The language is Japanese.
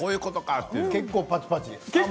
結構、パチパチ。